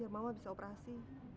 ya mama bisa operasi